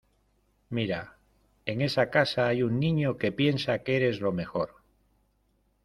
Mira, en esa casa hay un niño que piensa que eres lo mejor.